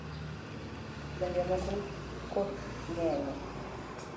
Ngwenge moko koth ng’enye